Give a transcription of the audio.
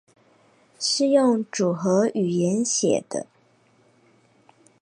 是用組合語言寫的